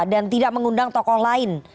dan tidak mengundang tokoh lain